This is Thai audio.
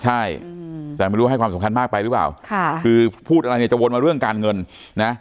ใช่แต่ไม่รู้ให้ความสำคัญมากไปหรือเปล่าค่ะคือพูดอะไรเนี่ยจะวนมาเรื่องการเงินนะ